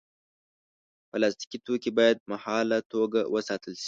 پلاستيکي توکي باید مهاله توګه وساتل شي.